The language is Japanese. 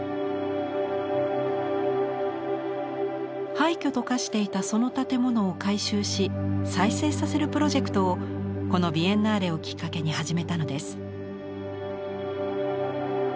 廃虚と化していたその建物を改修し再生させるプロジェクトをこのビエンナーレをきっかけに始めたのです。